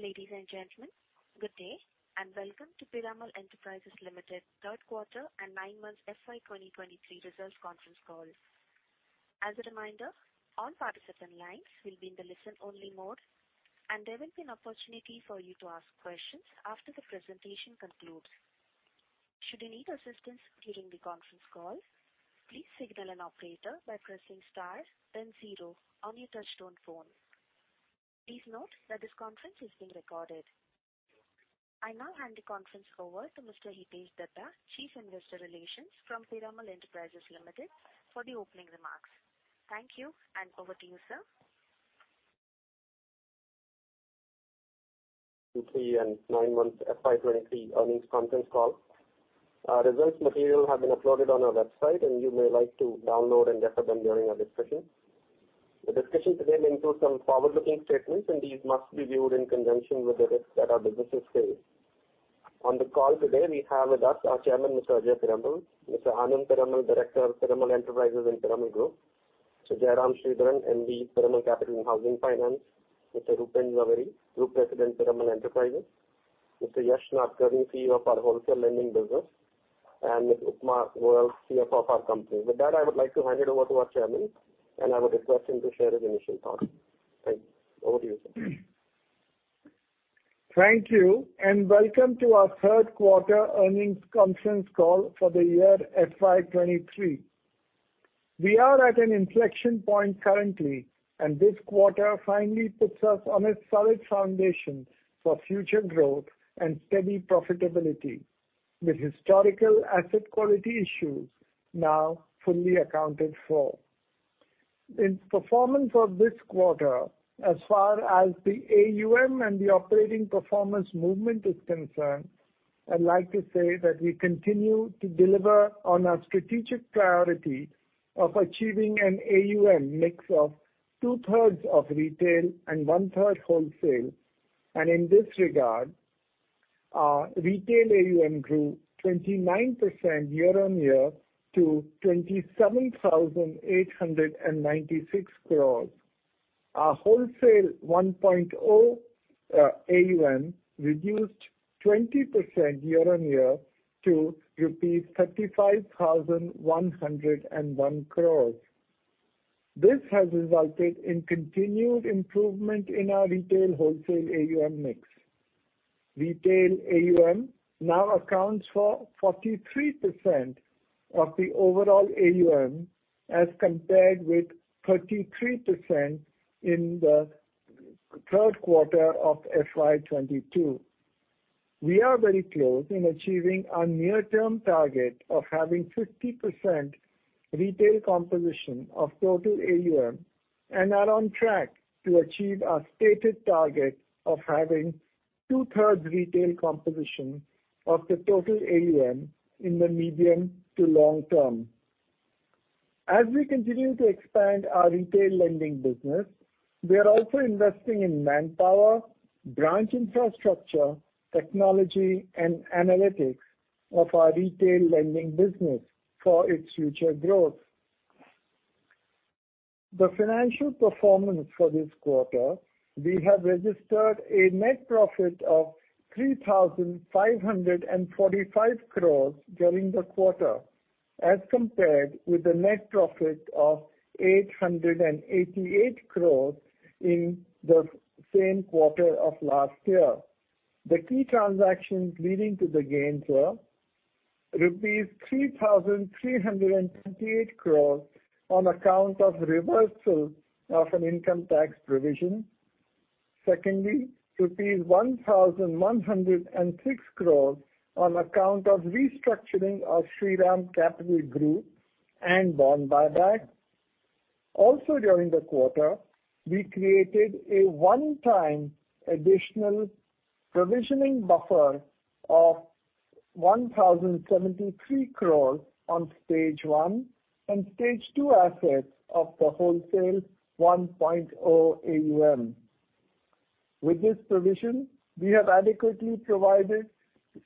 Ladies and gentlemen, good day, and welcome to Piramal Enterprises Limited third quarter and nine months FY 2023 results conference call. As a reminder, all participant lines will be in the listen-only mode, and there will be an opportunity for you to ask questions after the presentation concludes. Should you need assistance during the conference call, please signal an operator by pressing star then 0 on your touchtone phone. Please note that this conference is being recorded. I now hand the conference over to Mr. Hitesh Dhaddha, Chief Investor Relations from Piramal Enterprises Limited for the opening remarks. Thank you, over to you, sir. 9-month FY23 earnings conference call. Our results material have been uploaded on our website, and you may like to download and refer them during our discussion. The discussion today may include some forward-looking statements, and these must be viewed in conjunction with the risks that our businesses face. On the call today, we have with us our Chairman, Mr. Ajay Piramal, Mr. Anand Piramal, Director of Piramal Enterprises Limited and Piramal Group, Mr. Jairam Sridharan, MD, Piramal Capital & Housing Finance Limited, Mr. Rupen Jhaveri, Group President, Piramal Enterprises Limited, Mr. Yesh Nadkarni, CEO of our Wholesale Lending Business, and Ms. Upma Goel, CFO of our company. With that, I would like to hand it over to our Chairman, and I would request him to share his initial thoughts. Thanks. Over to you, sir. Thank you, welcome to our third quarter earnings conference call for the year FY23. We are at an inflection point currently, this quarter finally puts us on a solid foundation for future growth and steady profitability, with historical asset quality issues now fully accounted for. In performance of this quarter, as far as the AUM and the operating performance movement is concerned, I'd like to say that we continue to deliver on our strategic priority of achieving an AUM mix of two-thirds of retail and one-third wholesale. In this regard, our retail AUM grew 29% year-on-year to 27,896 crores. Our Wholesale 1.0 AUM reduced 20% year-on-year to rupees 35,101 crores. This has resulted in continued improvement in our retail wholesale AUM mix. Retail AUM now accounts for 43% of the overall AUM as compared with 33% in the third quarter of FY22. We are very close in achieving our near-term target of having 50% retail composition of total AUM and are on track to achieve our stated target of having two-thirds retail composition of the total AUM in the medium to long term. As we continue to expand our retail lending business, we are also investing in manpower, branch infrastructure, technology, and analytics of our retail lending business for its future growth. The financial performance for this quarter, we have registered a net profit of 3,545 crores during the quarter, as compared with the net profit of 888 crores in the same quarter of last year. The key transactions leading to the gains were rupees 3,328 crores on account of reversal of an income tax provision. Secondly, rupees 1,106 crores on account of restructuring of Shriram Capital Group and bond buyback. Also, during the quarter, we created a one-time additional provisioning buffer of 1,073 crores on stage one and stage two assets of the Wholesale 1.0 AUM. With this provision, we have adequately provided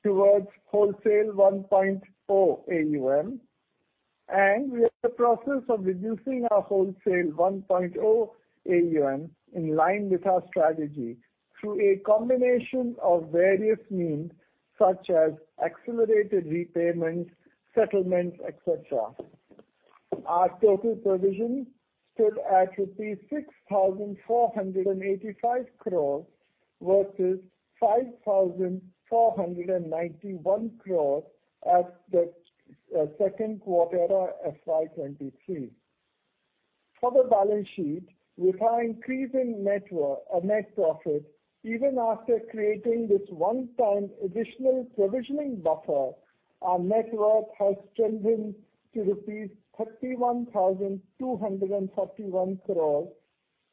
towards Wholesale 1.0 AUM, and we are in the process of reducing our Wholesale 1.0 AUM in line with our strategy through a combination of various means such as accelerated repayments, settlements, et cetera. Our total provision stood at 6,485 crores versus 5,491 crores at the Q2 FY23. For the balance sheet, with our increasing net profit, even after creating this one-time additional provisioning buffer, our net worth has strengthened to rupees 31,231 crores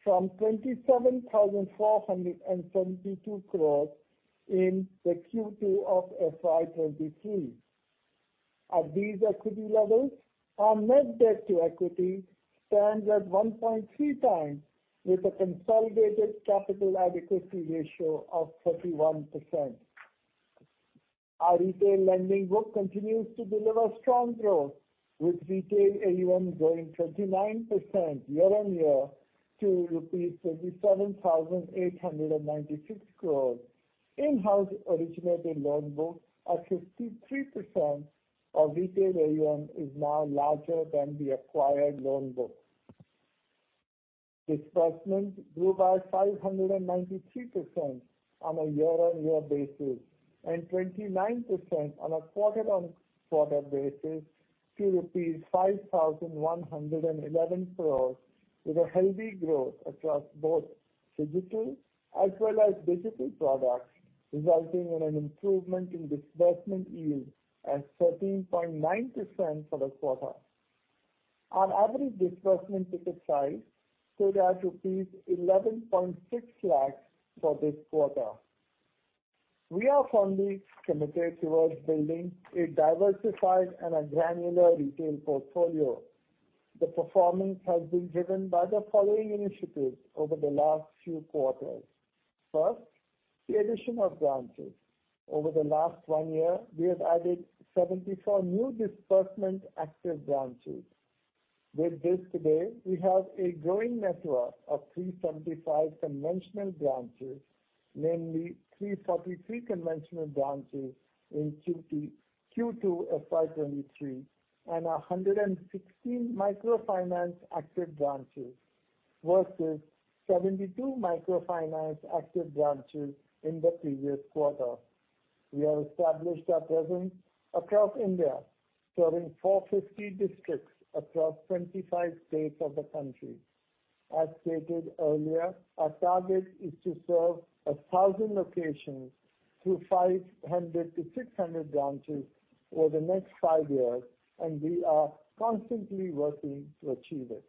from 27,472 crores in the Q2 of FY23. At these equity levels, our net debt to equity stands at 1.3 times with a consolidated capital adequacy ratio of 31%. Our retail lending book continues to deliver strong growth, with retail AUM growing 29% year-on-year to rupees 77,896 crores. In-house originated loan book at 53% of retail AUM is now larger than the acquired loan book. Disbursement grew by 593% on a year-on-year basis, and 29% on a quarter-on-quarter basis to 5,111 crores, with a healthy growth across both digital as well as digital products, resulting in an improvement in disbursement yield at 13.9% for the quarter. Our average disbursement ticket size stood at rupees 11.6 lakhs for this quarter. We are firmly committed towards building a diversified and a granular retail portfolio. The performance has been driven by the following initiatives over the last few quarters. First, the addition of branches. Over the last 1 year, we have added 74 new disbursement active branches. With this today, we have a growing network of 375 conventional branches, namely 343 conventional branches in Q2 FY23, and 116 microfinance active branches versus 72 microfinance active branches in the previous quarter. We have established our presence across India, serving 450 districts across 25 states of the country. As stated earlier, our target is to serve 1,000 locations through 500-600 branches over the next 5 years, and we are constantly working to achieve it.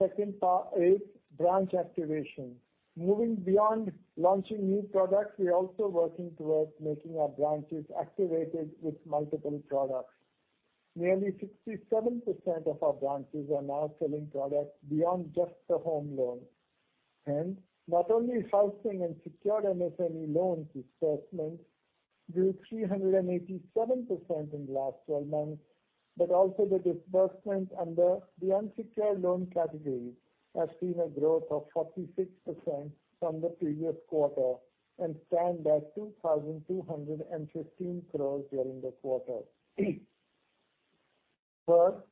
Second is branch activation. Moving beyond launching new products, we are also working towards making our branches activated with multiple products. Nearly 67% of our branches are now selling products beyond just the home loan. Not only housing and secured MSME loans disbursement grew 387% in the last 12 months, but also the disbursement under the unsecured loan categories has seen a growth of 46% from the previous quarter and stand at 2,215 crores during the quarter. Third,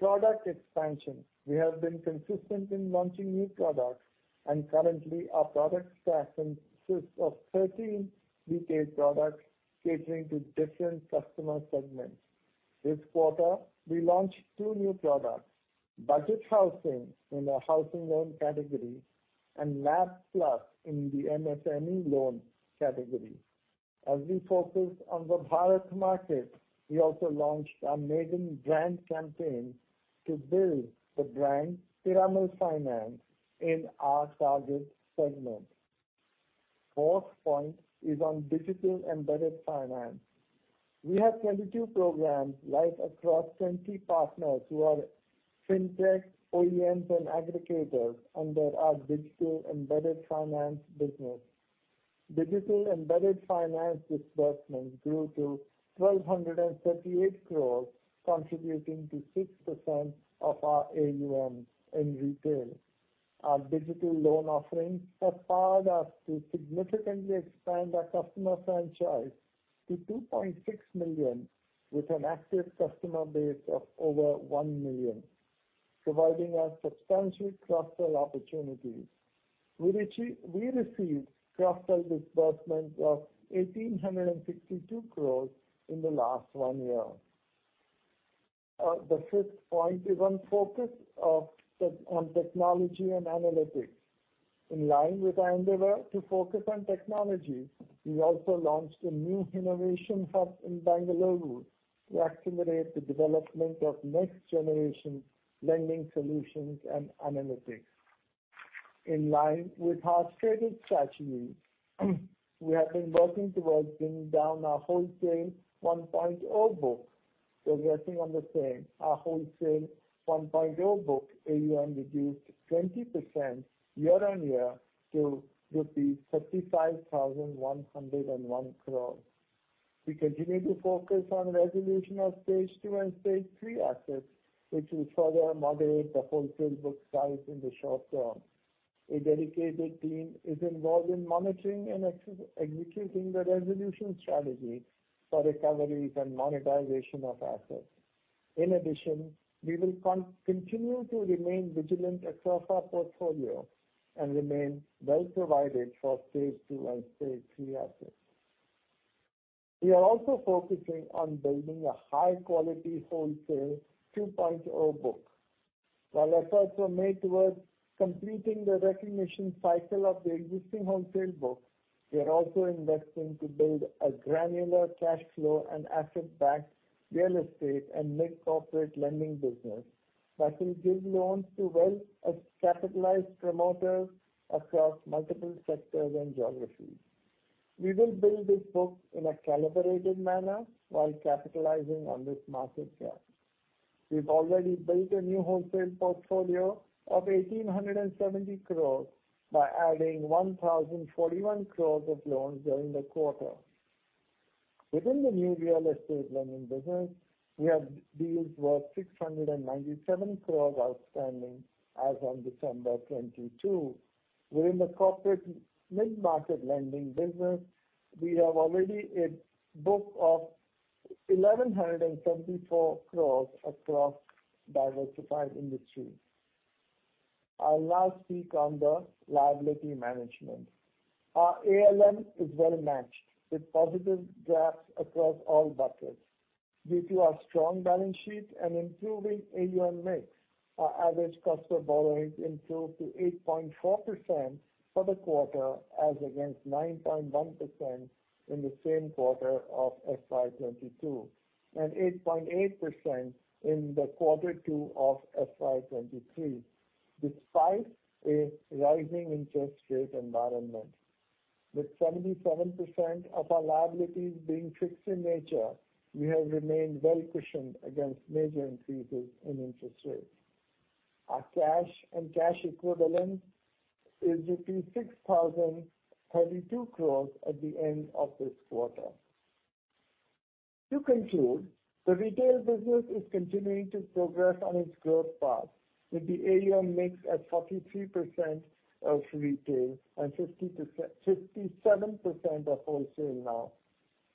product expansion. We have been consistent in launching new products and currently our product stack consists of 13 retail products catering to different customer segments. This quarter, we launched 2 new products, Budget Housing in the housing loan category and LAP Plus in the MSME loan category. As we focus on the Bharat market, we also launched our maiden brand campaign to build the brand Piramal Finance in our target segment. Fourth point is on digital embedded finance. We have 22 programs live across 20 partners who are Fintech, OEMs and aggregators under our digital embedded finance business. Digital embedded finance disbursements grew to 1,238 crores, contributing to 6% of our AUMs in retail. Our digital loan offerings empowered us to significantly expand our customer franchise to 2.6 million with an active customer base of over 1 million, providing us substantial cross-sell opportunities. We received cross-sell disbursements of 1,862 crores in the last 1 year. The fifth point is on technology and analytics. In line with our endeavor to focus on technology, we also launched a new innovation hub in Bengaluru to accelerate the development of next-generation lending solutions and analytics. In line with our stated strategy, we have been working towards bringing down our Wholesale 1.0 book. Resting on the same, our Wholesale 1.0 book AUM reduced 20% year-on-year to rupees 35,101 crore. We continue to focus on resolution of Stage 2 and Stage 3 assets, which will further moderate the wholesale book size in the short term. A dedicated team is involved in monitoring and executing the resolution strategy for recoveries and monetization of assets. In addition, we will continue to remain vigilant across our portfolio and remain well provided for Stage 2 and Stage 3 assets. We are also focusing on building a high-quality Wholesale 2.0 book. While efforts were made towards completing the recognition cycle of the existing wholesale book, we are also investing to build a granular cash flow and asset backed real estate and mid-corporate lending business that will give loans to well-capitalized promoters across multiple sectors and geographies. We will build this book in a calibrated manner while capitalizing on this massive gap. We've already built a new Wholesale portfolio of 1,870 crores by adding 1,041 crores of loans during the quarter. Within the new real estate lending business, we have deals worth 697 crores outstanding as on December 22. Within the corporate mid-market lending business, we have already a book of 1,174 crores across diversified industries. I'll now speak on the liability management. Our ALM is well matched with positive gaps across all buckets. Due to our strong balance sheet and improving AUM mix, our average cost of borrowing improved to 8.4% for the quarter as against 9.1% in the same quarter of FY22, and 8.8% in Q2 FY23, despite a rising interest rate environment. With 77% of our liabilities being fixed in nature, we have remained well cushioned against major increases in interest rates. Our cash and cash equivalents is 6,032 crores at the end of this quarter. To conclude, the retail business is continuing to progress on its growth path, with the AUM mix at 43% of retail and 57% of wholesale now.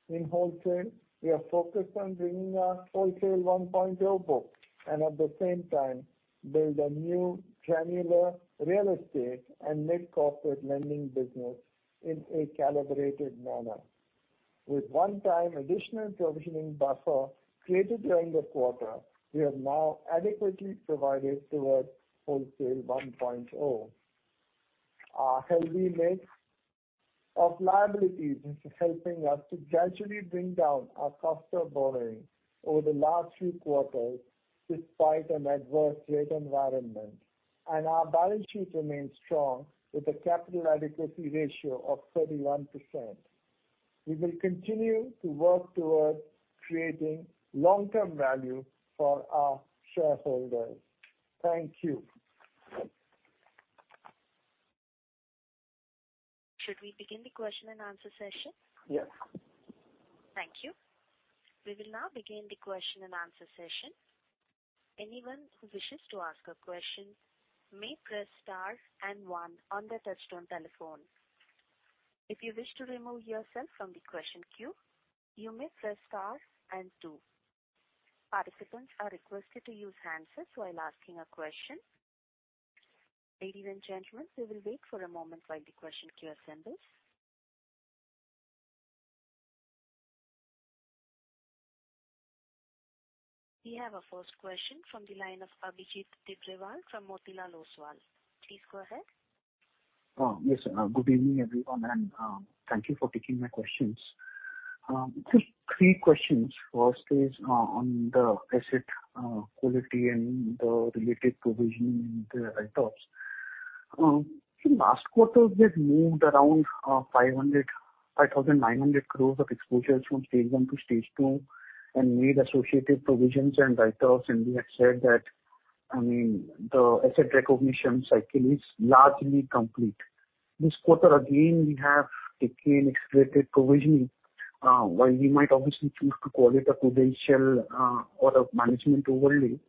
In wholesale, we are focused on bringing our Wholesale 1.0 book and at the same time build a new granular real estate and mid-corporate lending business in a calibrated manner. With one-time additional provisioning buffer created during the quarter, we are now adequately provided towards Wholesale 1.0. Our healthy mix of liabilities is helping us to gradually bring down our cost of borrowing over the last few quarters despite an adverse rate environment. Our balance sheet remains strong with a capital adequacy ratio of 31%. We will continue to work towards creating long-term value for our shareholders. Thank you. Should we begin the question-and-answer session? Yes. Thank you. We will now begin the question-and-answer session. Anyone who wishes to ask a question may press star 1 on their touch-tone telephone. If you wish to remove yourself from the question queue, you may press star 2. Participants are requested to use handsets while asking a question. Ladies and gentlemen, we will wait for a moment while the question queue assembles. We have our first question from the line of Abhijit Tibrewal from Motilal Oswal. Please go ahead. Yes. Good evening, everyone, thank you for taking my questions. Just 3 questions. First is on the asset quality and the related provisioning, the write-offs. In last quarter we had moved around 5,900 crores of exposures from stage one to stage two and made associated provisions and write-offs. We had said that, I mean, the asset recognition cycle is largely complete. This quarter again, we have taken accelerated provisioning, while we might obviously choose to call it a prudential or a management overlay.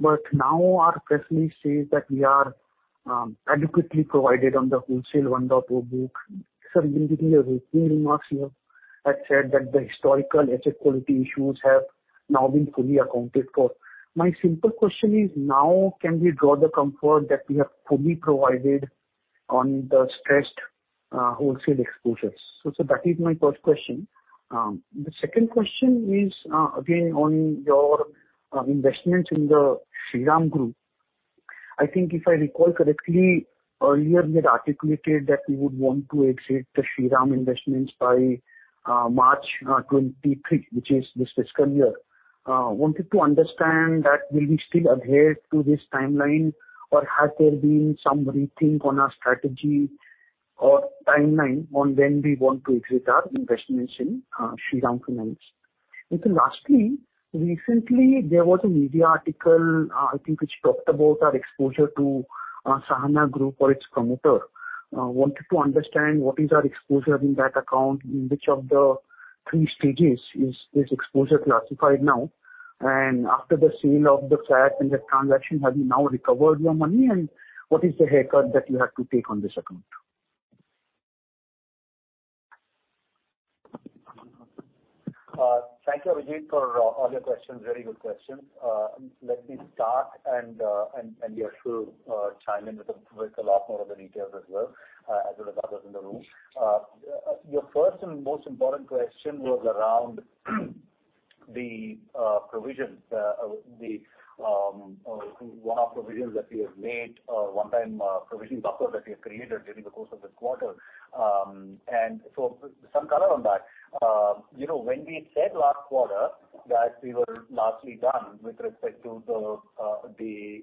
Now our press release says that we are adequately provided on the Wholesale 1.0 book. Sir, in between your opening remarks, you had said that the historical asset quality issues have now been fully accounted for. My simple question is now can we draw the comfort that we have fully provided on the stressed wholesale exposures? Sir, that is my first question. The second question is again, on your investments in the Shriram Group. I think if I recall correctly, earlier you had articulated that you would want to exit the Shriram investments by March 23, which is this fiscal year. Wanted to understand that will we still adhere to this timeline or has there been some rethink on our strategy or timeline on when we want to exit our investments in Shriram Finance? Lastly, recently there was a media article, I think which talked about our exposure to Sahana Group or its promoter. wanted to understand what is our exposure in that account, in which of the three stages is this exposure classified now? After the sale of the flat and that transaction, have you now recovered your money? What is the haircut that you have to take on this account? Thank you, Abhijit, for all your questions. Very good questions. Let me start, and Yesh will chime in with a lot more of the details as well, as well as others in the room. Your first and most important question was around The provisions, the one-off provisions that we have made, one time provision buffer that we have created during the course of this quarter. Some color on that. You know, when we said last quarter that we were largely done with respect to the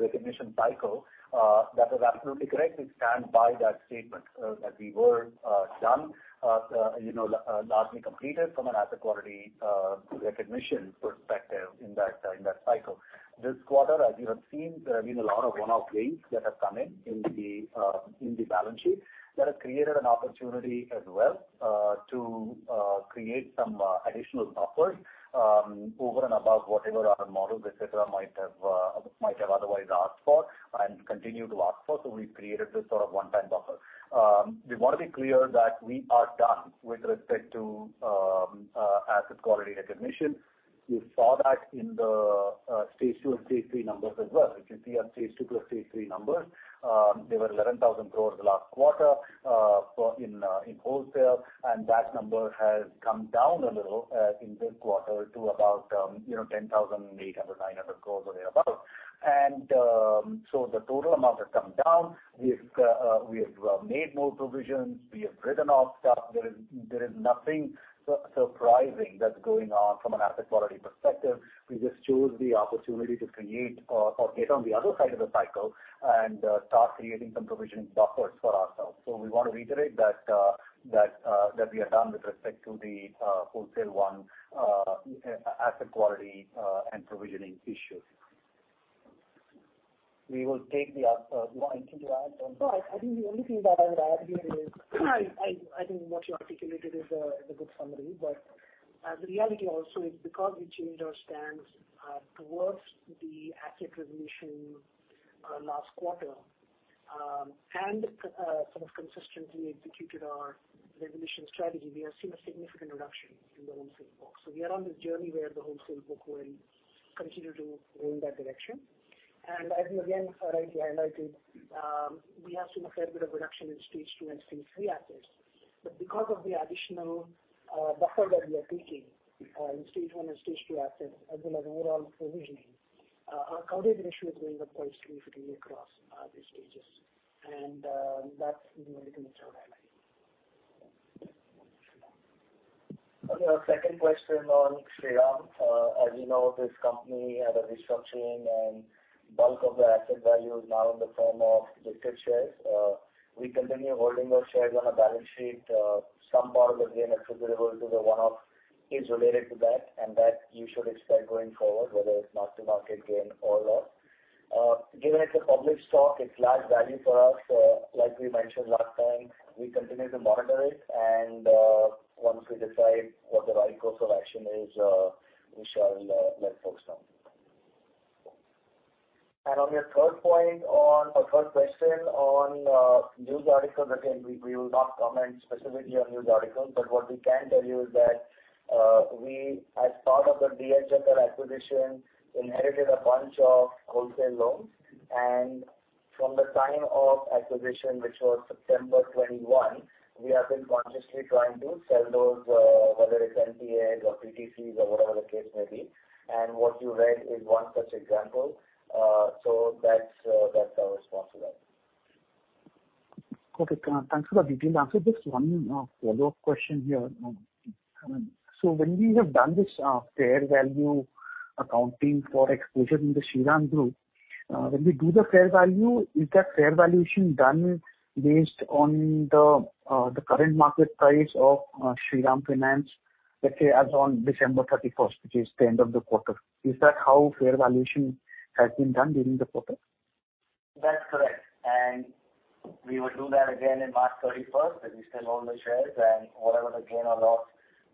recognition cycle, that is absolutely correct. We stand by that statement, that we were done, you know, largely completed from an asset quality recognition perspective in that, in that cycle. This quarter, as you have seen, there have been a lot of one-off gains that have come in the balance sheet that have created an opportunity as well to create some additional buffers over and above whatever our models, et cetera, might have otherwise asked for and continue to ask for. We've created this sort of one time buffer. We want to be clear that we are done with respect to asset quality recognition. You saw that in the stage two and stage three numbers as well. If you see our stage two plus stage three numbers, they were 11,000 crore the last quarter, for in wholesale, that number has come down a little in this quarter to about, you know, 10,800 crore, 900 crore or thereabout. The total amount has come down. We've, we have made more provisions. We have written off stuff. There is nothing surprising that's going on from an asset quality perspective. We just chose the opportunity to create or get on the other side of the cycle and start creating some provision buffers for ourselves. So we want to reiterate that we are done with respect to the Wholesale 1.0 asset quality and provisioning issue. We will take the up, Mohan anything to add on? I think the only thing that I would add here is I think what you articulated is a good summary. The reality also is because we changed our stance towards the asset resolution last quarter, and sort of consistently executed our resolution strategy, we have seen a significant reduction in the wholesale book. We are on this journey where the wholesale book will continue to move in that direction. As you again rightly highlighted, we have seen a fair bit of reduction in stage two and stage three assets. Because of the additional buffer that we are taking in stage one and stage two assets as well as overall provisioning, our coverage ratio is going up quite significantly across these stages. That's the only thing which I would add. Okay. Our second question on Shriram. As you know, this company had a restructuring and bulk of the asset value is now in the form of listed shares. We continue holding those shares on our balance sheet. Some part of the gain attributable to the one-off is related to that and that you should expect going forward, whether it's mark to market gain or loss. Given it's a public stock, it's large value for us. Like we mentioned last time, we continue to monitor it and once we decide what the right course of action is, we shall let folks know. On your third point on or third question on news articles, again, we will not comment specifically on news articles, but what we can tell you is that we as part of the DHFL acquisition, inherited a bunch of wholesale loans. From the time of acquisition, which was September 21, we have been consciously trying to sell those, whether it's NPAs or PTCs or whatever the case may be and what you read is one such example. That's, that's our response to that. Okay. Thanks for the detailed answer. Just one follow-up question here. When we have done this fair value accounting for exposure in the Shriram Group, when we do the fair value, is that fair valuation done based on the current market price of Shriram Finance, let's say as on December 31st, which is the end of the quarter? Is that how fair valuation has been done during the quarter? That's correct. We will do that again in March 31st, as we sell all the shares and whatever the gain or loss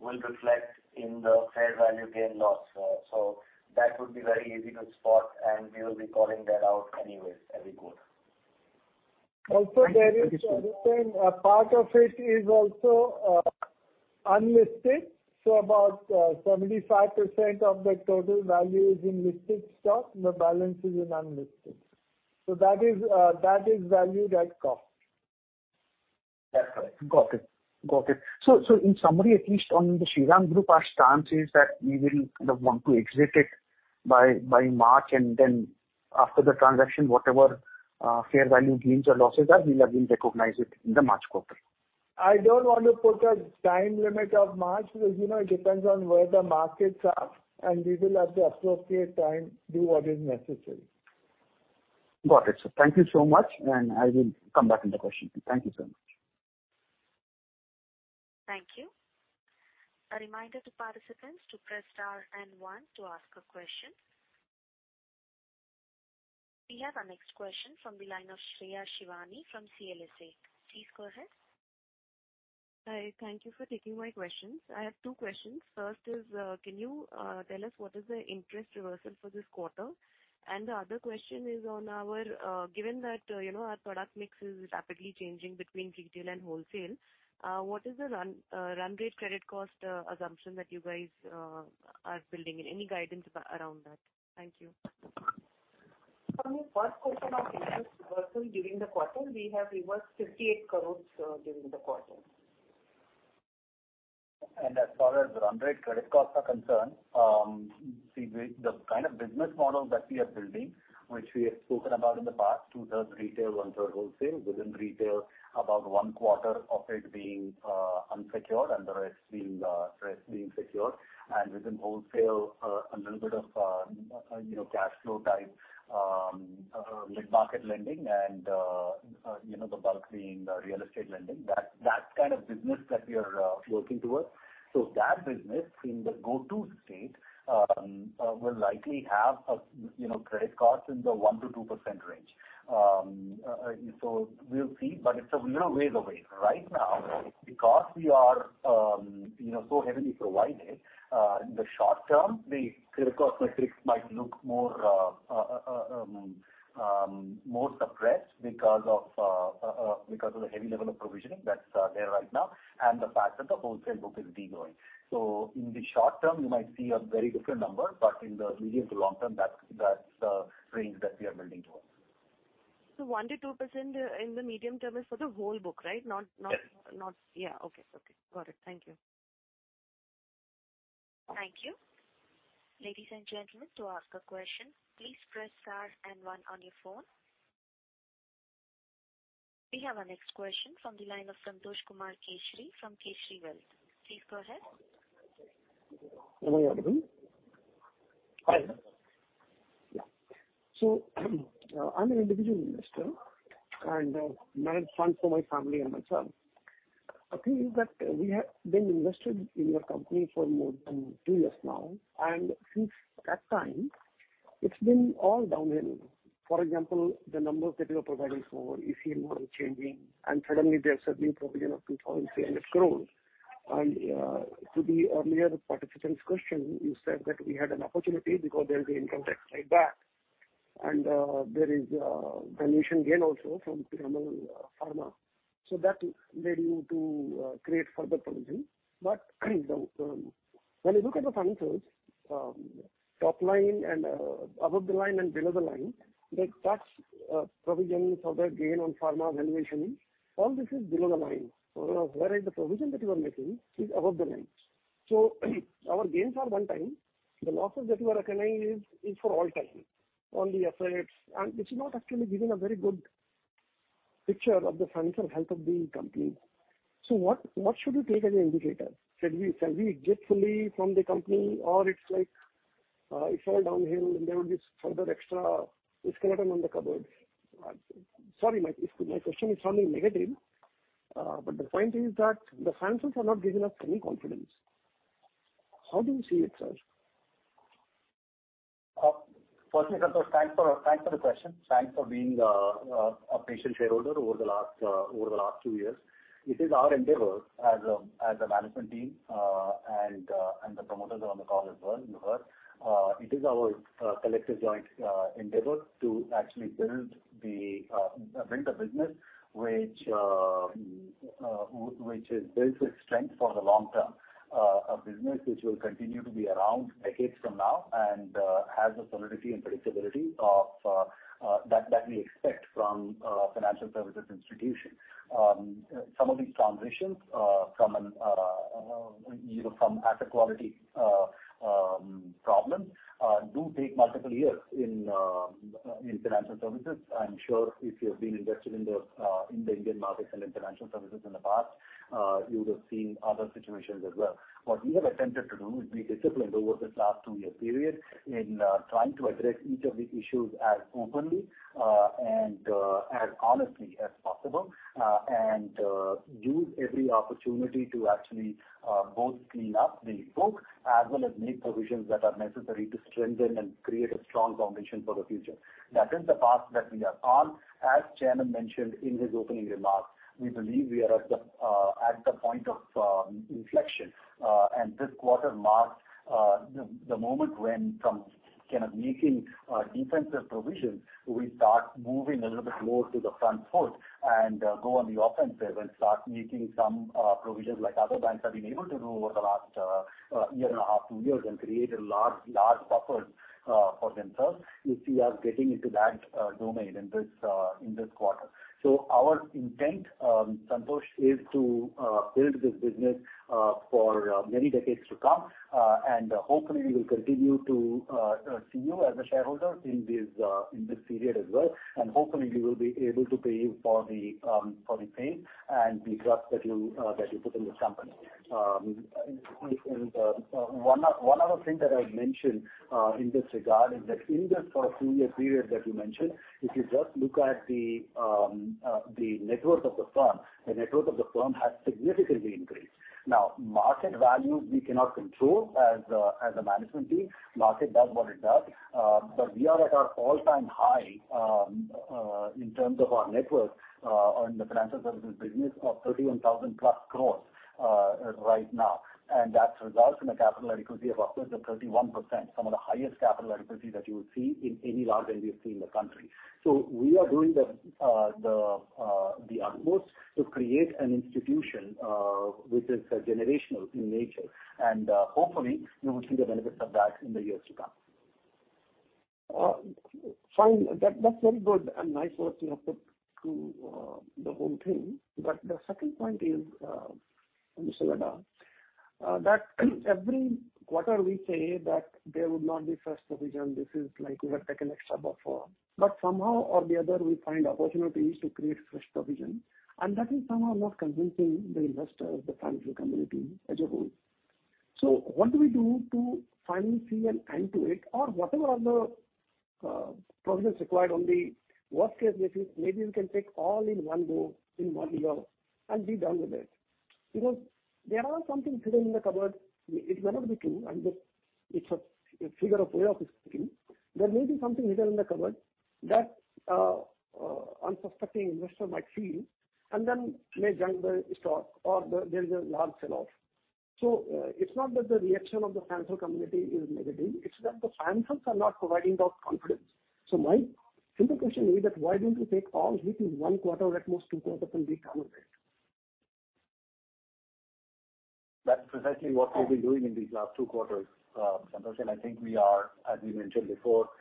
will reflect in the fair value gain loss. That would be very easy to spot and we will be calling that out anyways every quarter. Thank you. There is Arpan, a part of it is also, unlisted. About, 75% of the total value is in listed stock, the balance is in unlisted. That is, that is valued at cost. That's right. Got it. Got it. In summary, at least on the Shriram Group, our stance is that we will kind of want to exit it by March, and then after the transaction, whatever fair value gains or losses are, we'll again recognize it in the March quarter. I don't want to put a time limit of March because, you know, it depends on where the markets are and we will at the appropriate time do what is necessary. Got it. Thank you so much. I will come back with the question. Thank you so much. Thank you. A reminder to participants to press star and one to ask a question. We have our next question from the line of Shreya Shivani from CLSA. Please go ahead. Hi, thank you for taking my questions. I have two questions. First is, can you tell us what is the interest reversal for this quarter? The other question is on our, given that, you know, our product mix is rapidly changing between retail and wholesale, what is the run rate credit cost assumption that you guys are building and any guidance around that? Thank you. For the first question on interest reversal during the quarter, we have reversed 58 crores during the quarter. As far as the run rate credit costs are concerned, see, the kind of business model that we are building, which we have spoken about in the past, two-thirds retail, one-third wholesale. Within retail, about one quarter of it being unsecured and the rest being secured. Within wholesale, a little bit of, you know, cash flow type mid-market lending and, you know, the bulk being real estate lending. That's kind of business that we are working towards. That business in the go-to state will likely have a, you know, credit cost in the 1%-2% range. And so we'll see, but it's a little ways away. Right now because we are, you know, so heavily provided, in the short term the credit cost metrics might look more suppressed because of the heavy level of provisioning that's there right now and the fact that the wholesale book is de-growing. In the short term you might see a very different number, but in the medium to long term, that's the range that we are building towards. 1%-2% in the medium term is for the whole book, right? Not. Yes. Not... Yeah. Okay. Okay. Got it. Thank you. Thank you. Ladies and gentlemen, to ask a question, please press star and one on your phone. We have our next question from the line of Santosh Kumar Keshri from Keshri Wealth. Please go ahead. Am I audible? Hi. Yeah. I'm an individual investor and manage funds for my family and myself. The thing is that we have been invested in your company for more than 2 years now, and since that time it's been all downhill. For example, the numbers that you are providing for, you feel model changing, and suddenly there's a new provision of 2,300 crores. To the earlier participant's question, you said that we had an opportunity because there will be income tax write back and there is valuation gain also from Piramal Pharma. That led you to create further provision. When you look at the financials, top line and above the line and below the line, like, that's provision for the gain on Piramal Pharma valuation, all this is below the line. Whereas the provision that you are making is above the line. Our gains are one time, the losses that you are recognizing is for all time on the F rates, and this is not actually giving a very good picture of the financial health of the company. What should we take as an indicator? Shall we exit fully from the company or it's like, it's all downhill and there will be further extra skeleton on the cupboard? Sorry, if my question is sounding negative, but the point is that the financials are not giving us any confidence. How do you see it, sir? Firstly, Santosh, thanks for the question. Thanks for being a patient shareholder over the last 2 years. It is our endeavor as a management team, and the promoters are on the call as well, Nihar. It is our collective joint endeavor to actually build a business which has built its strength for the long term. A business which will continue to be around decades from now and has the solidity and predictability of that we expect from financial services institution. Some of these transitions from an, you know, from asset quality problem do take multiple years in financial services. I'm sure if you have been invested in the in the Indian markets and in financial services in the past, you would have seen other situations as well. What we have attempted to do is be disciplined over this last 2-year period in trying to address each of these issues as openly and as honestly as possible. Use every opportunity to actually both clean up the books as well as make provisions that are necessary to strengthen and create a strong foundation for the future. That is the path that we are on. As chairman mentioned in his opening remarks, we believe we are at the at the point of inflection. This quarter marks the moment when from kind of making defensive provisions, we start moving a little bit more to the front foot and go on the offensive and start making some provisions like other banks have been able to do over the last 1.5, 2 years, and create a large buffers for themselves, which we are getting into that domain in this quarter. Our intent, Santosh, is to build this business for many decades to come. Hopefully we will continue to see you as a shareholder in this period as well. Hopefully we will be able to pay you for the pain and the trust that you put in this company. One other thing that I'd mention in this regard is that in this past 2-year period that you mentioned, if you just look at the network of the firm, the network of the firm has significantly increased. Market value we cannot control as a management team. Market does what it does. We are at our all-time high in terms of our network on the financial services business of 31,000+ crores right now. That results in a capital adequacy of upwards of 31%, some of the highest capital adequacy that you would see in any large NBFC in the country. We are doing the utmost to create an institution which is generational in nature. Hopefully we will see the benefits of that in the years to come. Fine. That's very good and nice words you have put to the whole thing. The second point is from Sulekha, that every quarter we say that there would not be fresh provision. This is like we have taken extra buffer. Somehow or the other, we find opportunities to create fresh provision, and that is somehow not convincing the investors, the financial community as a whole. What do we do to finally see an end to it? Whatever other provisions required on the worst case basis, maybe we can take all in one go in one year and be done with it. There are some things hidden in the cupboard. It may not be true, and it's a figure of way of speaking. There may be something hidden in the cupboard that a unsuspecting investor might feel and then may junk the stock or there is a large sell-off. It's not that the reaction of the financial community is negative, it's that the financials are not providing that confidence. My simple question is that why don't you take all hit in one quarter, at most two quarters, and be done with it? That's precisely what we've been doing in these last two quarters, Santosh. I think we are, as we mentioned before,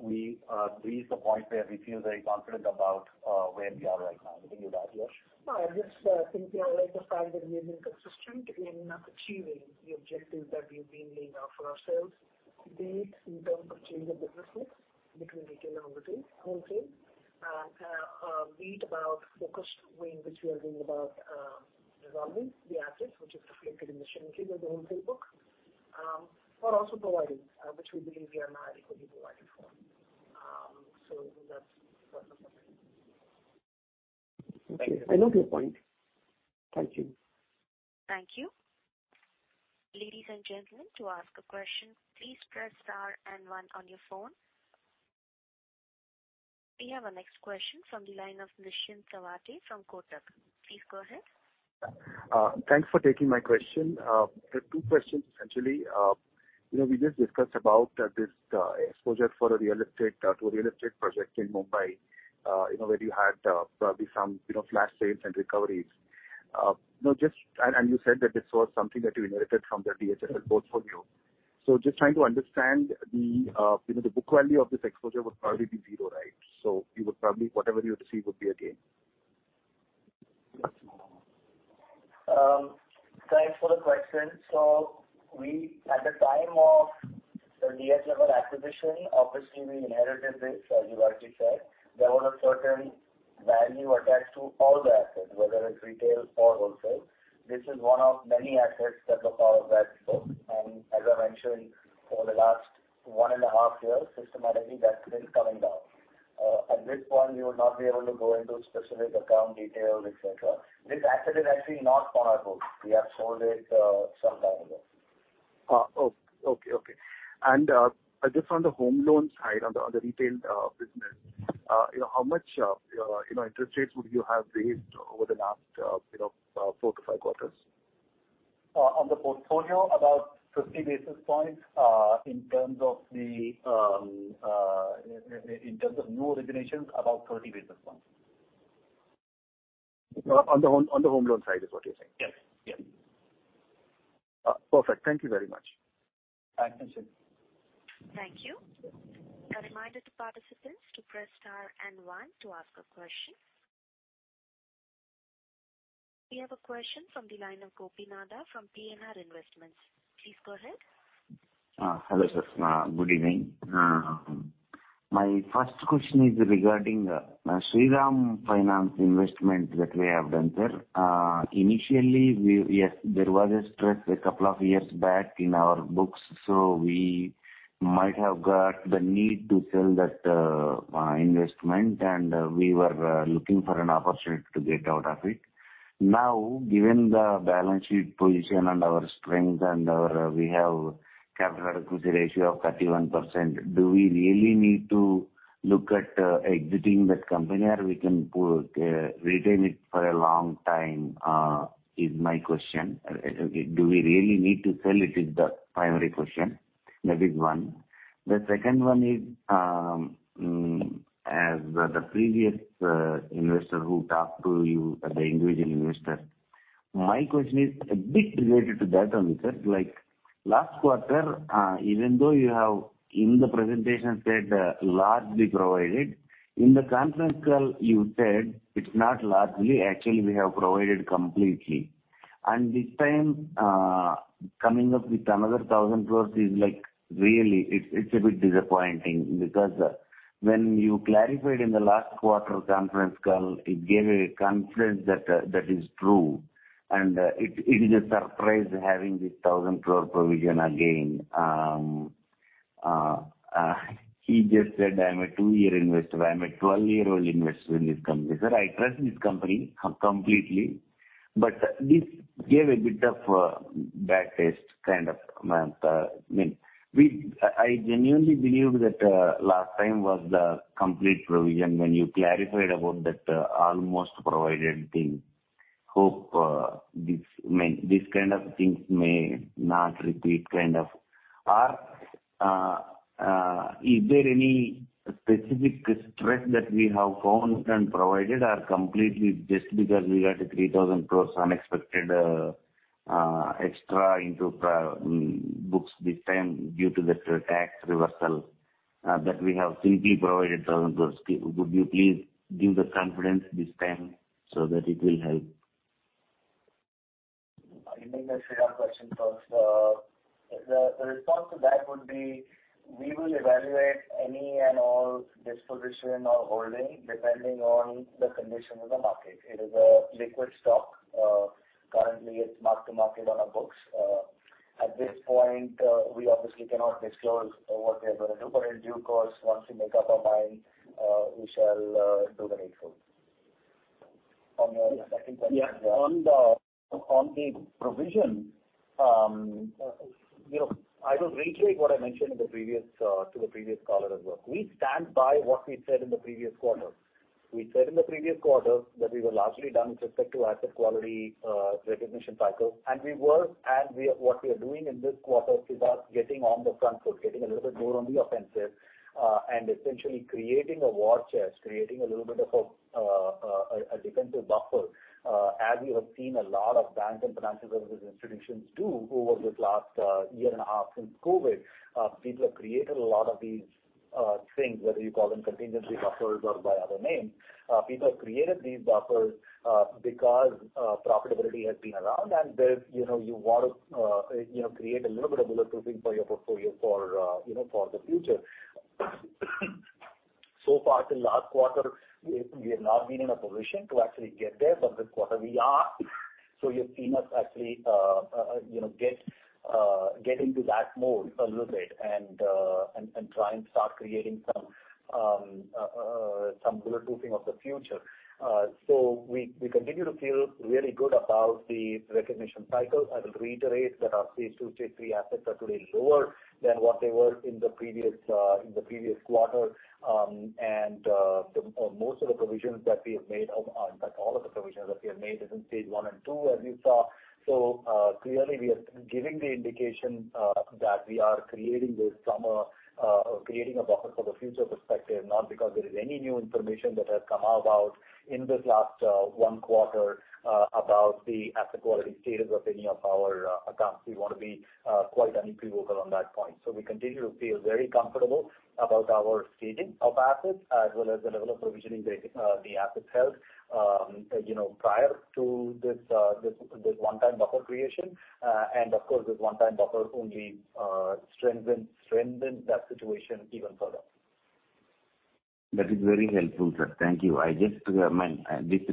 we reached the point where we feel very confident about where we are right now. Do you agree with that, Yesh? I just think we all like the fact that we have been consistent in achieving the objectives that we've been laying out for ourselves, be it in terms of change of businesses between retail and wholesale, be it about focused way in which we are going about resolving the assets which is reflected in the shrinking of the wholesale book, but also providing, which we believe we are not adequately provided for. That's what the summary is. Okay. I note your point. Thank you. Thank you. Ladies and gentlemen, to ask a question, please press star and one on your phone. We have our next question from the line of Nischint Chawathe from Kotak. Please go ahead. Thanks for taking my question. I have two questions essentially. You know, we just discussed about this exposure for a real estate to a real estate project in Mumbai, you know, where you had probably some, you know, flash sales and recoveries. You said that this was something that you inherited from the DHFL portfolio. Just trying to understand the, you know, the book value of this exposure would probably be zero, right? You would probably, whatever you receive would be a gain. Thanks for the question. We, at the time of the DHFL acquisition, obviously we inherited this, as Yesh said. There was a certain value attached to all the assets, whether it's retail or wholesale. This is one of many assets that look all of that book. As I mentioned, for the last 1.5 years, systematically that's been coming down. At this point, we would not be able to go into specific account details, et cetera. This asset is actually not on our books. We have sold it some time ago. Okay, okay. Just on the home loan side, on the retail business, you know, how much, you know, interest rates would you have raised over the last, you know, 4-5 quarters? On the portfolio, about 50 basis points. In terms of new originations, about 30 basis points. On the home loan side is what you're saying? Yes. Yes. Perfect. Thank you very much. Thanks, Nischint. Thank you. A reminder to participants to press star and one to ask a question. We have a question from the line of Gopinath from PNR Investments. Please go ahead. Hello, sir. Good evening. My first question is regarding Shriram Finance investment that we have done, sir. Initially we, yes, there was a stress a couple of years back in our books, so we might have got the need to sell that investment and we were looking for an opportunity to get out of it. Now, given the balance sheet position and our strength and our, we have capital adequacy ratio of 31%, do we really need to look at exiting that company or we can retain it for a long time, is my question. Do we really need to sell it is the primary question. That is one. The second one is, as the previous investor who talked to you, the individual investor, my question is a bit related to that only, sir. Like last quarter, even though you have in the presentation said, largely provided, in the conference call you said it's not largely, actually we have provided completely. This time, coming up with another 1,000 crores is like really, it's a bit disappointing because when you clarified in the last quarter conference call, it gave a confidence that that is true and it's, it is a surprise having this 1,000 crore provision again. He just said, "I'm a 2-year investor." I'm a 12-year-old investor in this company. Sir, I trust this company completely, but this gave a bit of a bad taste kind of, I mean, we, I genuinely believed that last time was the complete provision when you clarified about that almost provided thing. Hope this kind of things may not repeat kind of. Is there any specific stress that we have found and provided are completely just because we got a 3,000 crores unexpected extra into books this time due to the tax reversal that we have simply provided 1,000 crores. Could you please give the confidence this time so that it will help? I think that's a fair question first. The response to that would be, we will evaluate any and all disposition or holding depending on the condition of the market. It is a liquid stock. Currently it's mark to market on our books. At this point, we obviously cannot disclose what we are gonna do. In due course, once we make up our mind, we shall do the needful. On your second question. Yeah. On the, on the provision, you know, I will reiterate what I mentioned in the previous to the previous caller as well. We stand by what we said in the previous quarter. We said in the previous quarter that we were largely done with respect to asset quality, recognition cycle, and we are, what we are doing in this quarter is getting on the front foot, getting a little bit more on the offensive, and essentially creating a war chest, creating a little bit of a defensive buffer. As you have seen a lot of banks and financial services institutions do over this last year and a half since COVID. People have created a lot of these things, whether you call them contingency buffers or by other names. People have created these buffers because profitability has been around and there's, you know, you want to, you know, create a little bit of bulletproofing for your portfolio for, you know, for the future. So far till last quarter, we have not been in a position to actually get there, but this quarter we are. You've seen us actually, you know, get into that mode a little bit and try and start creating some bulletproofing of the future. We continue to feel really good about the recognition cycle. I will reiterate that our stage two, stage three assets are today lower than what they were in the previous quarter. Most of the provisions that we have made, in fact all of the provisions that we have made is in stage 1 and 2, as you saw. Clearly, we are giving the indication that we are creating this summer, creating a buffer for the future perspective, not because there is any new information that has come about in this last 1 quarter, about the asset quality status of any of our accounts. We want to be quite unequivocal on that point. We continue to feel very comfortable about our staging of assets as well as the level of provisioning the assets held, you know, prior to this 1-time buffer creation. Of course, this 1-time buffer only strengthens that situation even further. That is very helpful, sir. Thank you. I just, this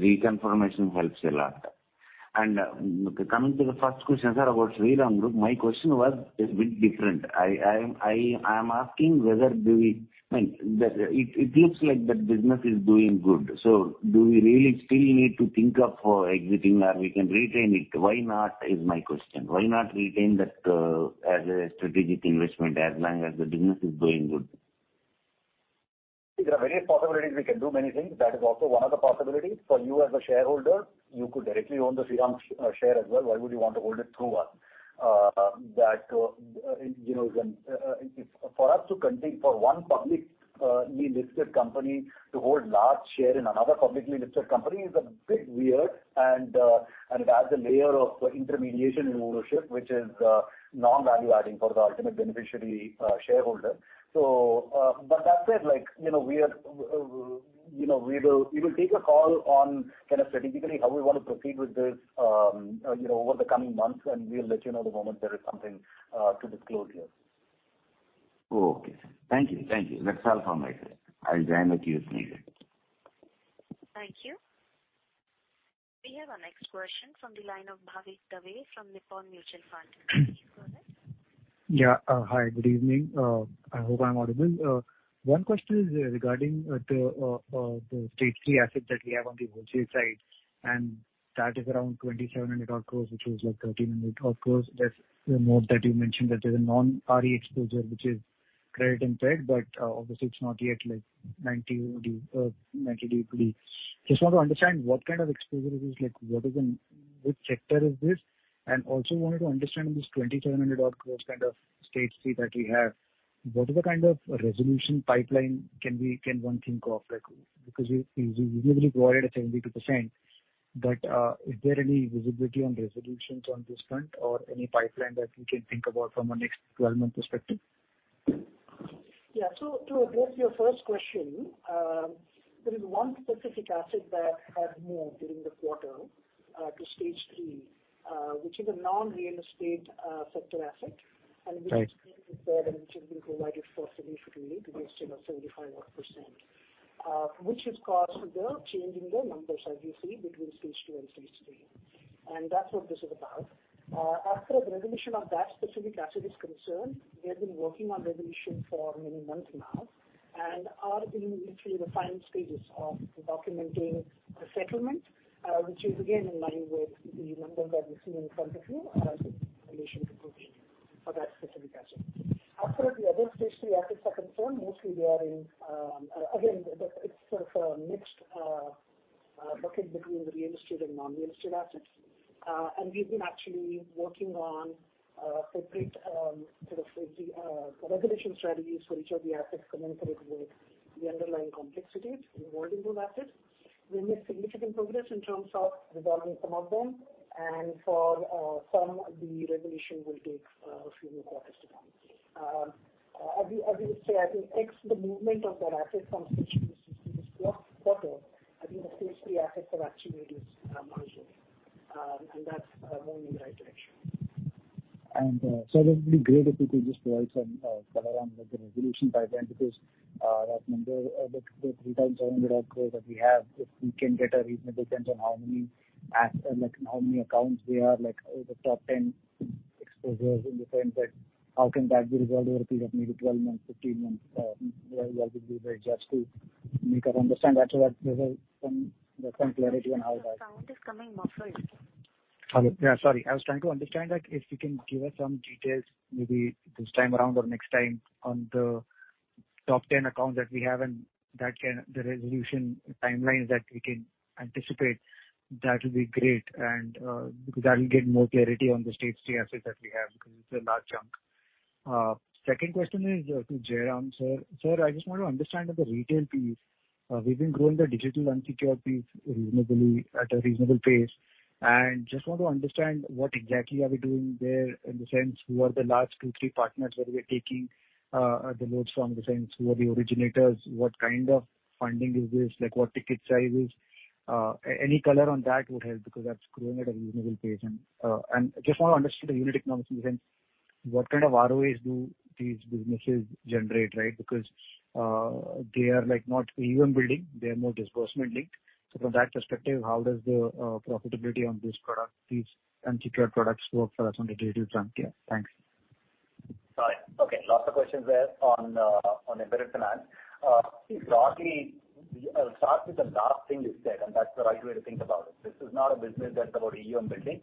reconfirmation helps a lot. Coming to the first question, sir, about Shriram Group, my question was a bit different. I'm asking whether it looks like that business is doing good. Do we really still need to think of exiting or we can retain it? Why not, is my question. Why not retain that as a strategic investment as long as the business is doing good? There are various possibilities. We can do many things. That is also one of the possibilities. For you as a shareholder, you could directly own the Shriram share as well. Why would you want to hold it through us? That, you know, when, for us to continue, for one publicly listed company to hold large share in another publicly listed company is a bit weird and it adds a layer of intermediation in ownership, which is non-value adding for the ultimate beneficiary, shareholder. But that said, like, you know, we are, you know, we will, we will take a call on kind of strategically how we want to proceed with this, you know, over the coming months, and we'll let you know the moment there is something to disclose here. Okay. Thank you. Thank you. That's all from my side. I'll join the queue if needed. Thank you. We have our next question from the line of Bhavik Dave from Nippon Mutual Fund. Please go ahead. Yeah. Hi, good evening. I hope I'm audible. One question is regarding the Stage 3 asset that we have on the Wholesale side, that is around 2,700 crore, which is like 1,300 crore. There's a note that you mentioned that there's a non-RE exposure which is credit impact, obviously it's not yet like 90 or 90 equity. Just want to understand what kind of exposure it is like. What is the which sector is this? Also wanted to understand this 2,700 crore kind of Stage 3 that we have. What is the kind of resolution pipeline can we, can one think of? Like, because we usually provide a 72%, is there any visibility on resolutions on this front or any pipeline that we can think about from a next 12-month perspective? Yeah. To address your first question, there is one specific asset that had moved during the quarter, to Stage 3, which is a non-real estate, sector asset. Right. Which is being prepared and which has been provided for significantly to the extent of 75 odd percent. Which has caused the change in the numbers as you see between stage 2 and stage 3. That's what this is about. As far as resolution of that specific asset is concerned, we have been working on resolution for many months now and are in literally the final stages of documenting the settlement, which is again in line with the numbers that you see in front of you as a condition to proceed. For that specific asset. Absolutely. Other stage 3 assets are concerned, mostly they are in, again, it's sort of a mixed bucket between the reindustried and non-reindustried assets. We've been actually working on, appropriate, sort of resolution strategies for each of the assets commensurate with the underlying complexities involved in those assets. We've made significant progress in terms of resolving some of them, and for, some, the resolution will take, a few more quarters to come. As we, as we say, I think x the movement of that asset from stage 3 to stage 2 this quarter, I think the stage 3 assets have actually reduced marginally. That's, moving in the right direction. It would be great if you could just provide some color on like the resolution pipeline, because that number, the 3 times 700 odd crores that we have, if we can get a reasonable sense on how many accounts we have, like the top 10 exposures in the sense that how can that be resolved over a period of maybe 12 months, 15 months? Where we'll be able just to make or understand that so that there's some clarity on how that. The sound is coming muffled. Hello. Yeah, sorry. I was trying to understand that if you can give us some details, maybe this time around or next time on the top 10 accounts that we have and the resolution timelines that we can anticipate, that will be great and because that will give more clarity on the Stage 3 assets that we have because it's a large chunk. Second question is to Jairam sir. Sir, I just want to understand on the retail piece, we've been growing the digital unsecured piece reasonably at a reasonable pace, and just want to understand what exactly are we doing there in the sense who are the large two, three partners where we are taking the loads from the sense who are the originators, what kind of funding is this? Like, what ticket size is. Any color on that would help because that's growing at a reasonable pace. I just want to understand the unit economics in sense. What kind of ROAs do these businesses generate, right? They are like not AUM building, they are more disbursement linked. From that perspective, how does the profitability on this product, these unsecured products work for us on the retail front? Yeah. Thanks. Sorry. Okay, lots of questions there on embedded finance. Broadly, I'll start with the last thing you said, and that's the right way to think about it. This is not a business that's about AUM building.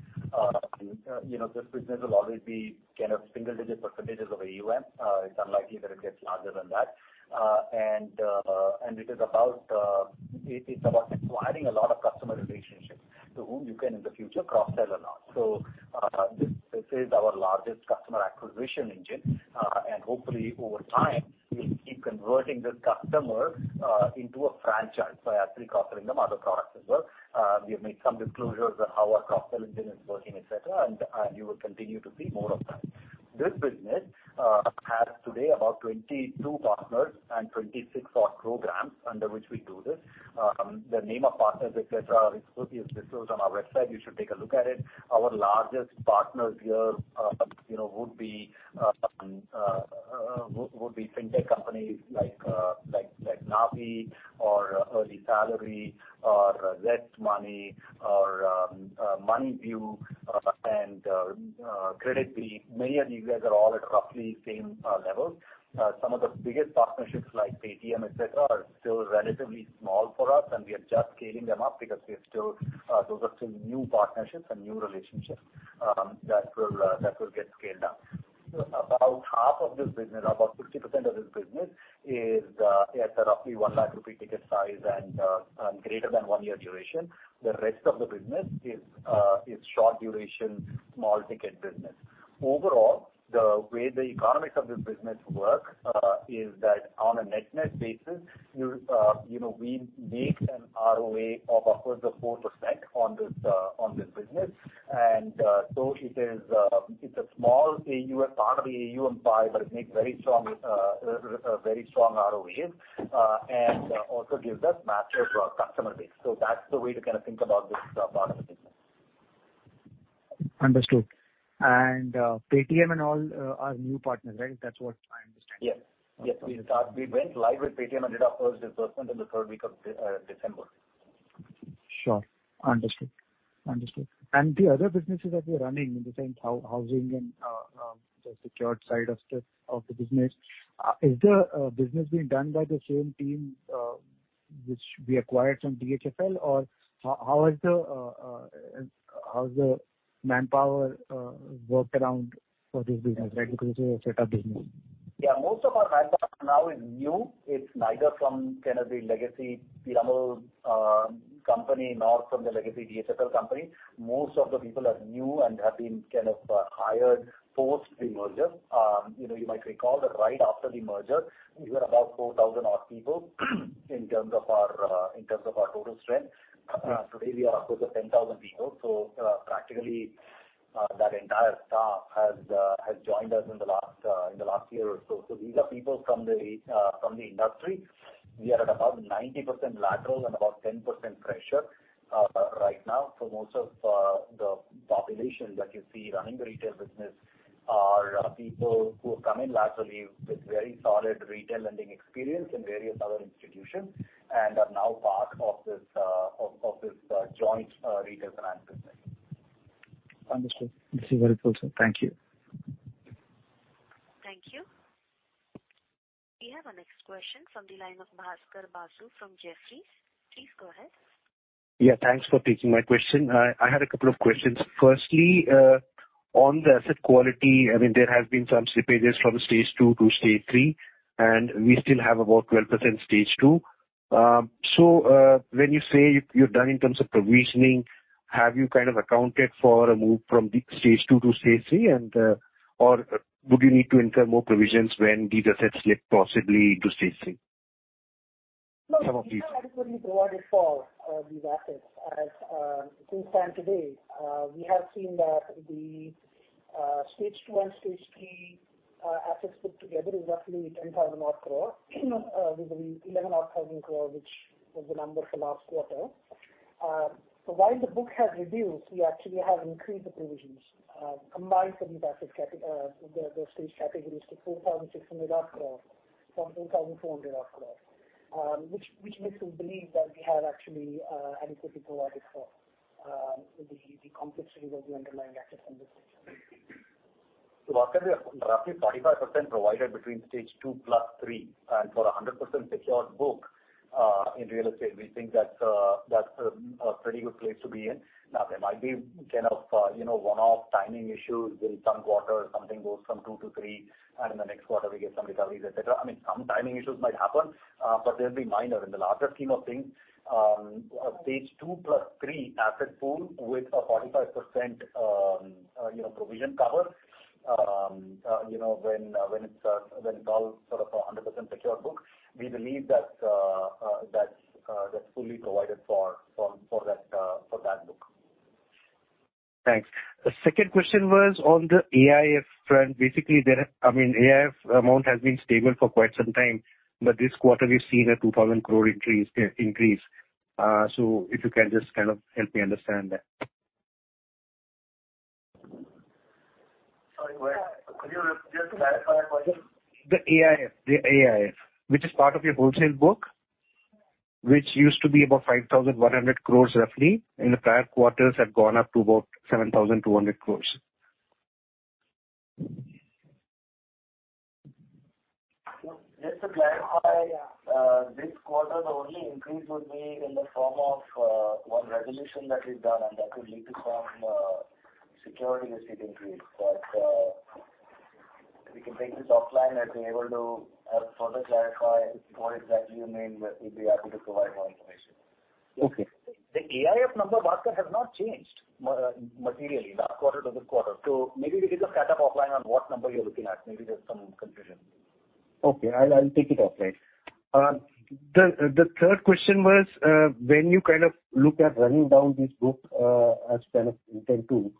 You know, this business will always be kind of single-digit percentages of AUM. It's unlikely that it gets larger than that. It is about acquiring a lot of customer relationships to whom you can in the future cross-sell or not. This is our largest customer acquisition engine. Hopefully over time, we'll keep converting this customer into a franchise by actually cross-selling them other products as well. We have made some disclosures on how our cross-sell engine is working, et cetera, and you will continue to see more of that. This business has today about 22 partners and 26 odd programs under which we do this. The name of partners, et cetera, is disclosed on our website. You should take a look at it. Our largest partners here, you know, would be fintech companies like Navi or EarlySalary or ZestMoney or Moneyview, and KreditBee. Many of these guys are all at roughly same level. Some of the biggest partnerships like Paytm, et cetera, are still relatively small for us and we are just scaling them up because we are still, those are still new partnerships and new relationships that will get scaled up. About half of this business, about 50% of this business is at a roughly 1 lakh rupee ticket size and greater than 1 year duration. The rest of the business is short duration, small ticket business. Overall, the way the economics of this business work is that on a net-net basis, you know, we make an ROA of upwards of 4% on this on this business. It is a small AUM, part of the AUM pie, but it makes very strong very strong ROAs and also gives us massive customer base. That's the way to kind of think about this part of the business. Understood. Paytm and all are new partners, right? That's what I understand. Yes. Yes. We went live with Paytm and did our first disbursement in the third week of December. Sure. Understood. Understood. The other businesses that we are running in the sense housing and the secured side of the business, is the business being done by the same team which we acquired from DHFL or how is the manpower work around for this business, right? Because this is a set of business. Most of our manpower now is new. It's neither from kind of the legacy Piramal company nor from the legacy DHFL company. Most of the people are new and have been kind of hired post the merger. You know, you might recall that right after the merger, we were about 4,000 odd people in terms of our in terms of our total strength. Today we are close to 10,000 people. Practically, that entire staff has joined us in the last in the last year or so. These are people from the from the industry. We are at about 90% lateral and about 10% fresher right now. Most of the population that you see running the retail business are people who have come in laterally with very solid retail lending experience in various other institutions and are now part of this of this joint retail finance business. Understood. This is very cool, sir. Thank you. Thank you. We have our next question from the line of Bhaskar Basu from Jefferies. Please go ahead. Yeah, thanks for taking my question. I had a couple of questions. Firstly, on the asset quality, I mean, there have been some slippages from stage two to stage three, and we still have about 12% stage two. When you say you're done in terms of provisioning, have you kind of accounted for a move from the stage two to stage three and, or would you need to incur more provisions when these assets slip possibly to stage three? Some of these- We have adequately provided for these assets. As things stand today, we have seen that the stage two and stage three assets put together is roughly 10,000 crore, 11,000 crore, which was the number for last quarter. While the book has reduced, we actually have increased the provisions combined for these asset the stage categories to INR 4,600 crore from INR 4,400 crore, which makes us believe that we have actually adequately provided for the complexity of the underlying assets in this. Bhaskar, we have roughly 45% provided between stage 2 plus 3. For a 100% secured book, in real estate, we think that's that's a pretty good place to be in. Now, there might be kind of, you know, one-off timing issues in some quarter, something goes from 2 to 3, and in the next quarter we get some recoveries, et cetera. I mean, some timing issues might happen, but they'll be minor. In the larger scheme of things, stage 2 plus 3 asset pool with a 45%, you know, provision cover, you know, when it's when it's all sort of a 100% secured book, we believe that's that's that's fully provided for that book. Thanks. The second question was on the AIF front. Basically, I mean, AIF amount has been stable for quite some time, but this quarter we've seen a 2,000 crore increase. If you can just kind of help me understand that. Sorry, what? Could you just clarify the question? The AIF. The AIF, which is part of your wholesale book, which used to be about 5,100 crores roughly, in the prior quarters had gone up to about 7,200 crores. Just to clarify, this quarter the only increase would be in the form of one resolution that is done and that would lead to some security receipt increase. We can take this offline and be able to further clarify what exactly you mean. We'd be happy to provide more information. Okay. The AIF number, Bhaskar, has not changed materially last quarter to this quarter. Maybe we can just catch up offline on what number you're looking at. Maybe there's some confusion. Okay. I'll take it offline. The third question was, when you kind of look at running down this book, as kind of intent to,